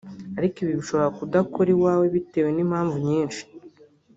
Ariko ibi bishobora kudakora iwawe bitewe n’impamvu nyinshi